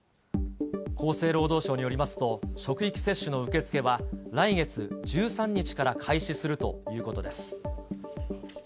厚生労働省によりますと、職域接種の受け付けは来月１３日から開始するということです。